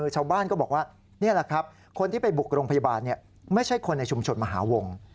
ชาวบ้านก็บอกว่านี่แหละครับคนที่ไปบุกโรงพยาบาลไม่ใช่คนในชุมชนมหาวง